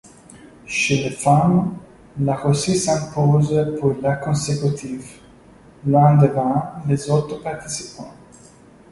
Chez les femmes, la Russie s'impose pour la consécutive, loin devant les autres participants.